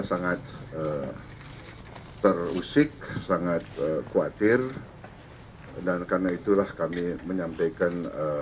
sangat terusik sangat khawatir dan karena itulah kami menyampaikan